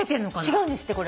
違うんですって。